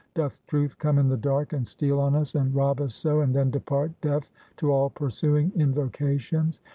Doth Truth come in the dark, and steal on us, and rob us so, and then depart, deaf to all pursuing invocations?